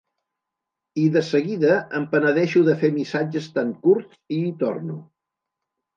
I de seguida em penedeixo de fer missatges tan curts i hi torno.